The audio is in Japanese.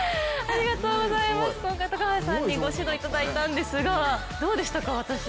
今回、高橋さんにご指導いただいたんですがどうでしたか、私。